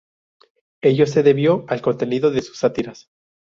Ello se debió al contenido de sus sátiras.